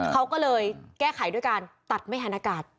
เขาก็เลยแก้ไขด้วยการตัดไม่ทันอากาศ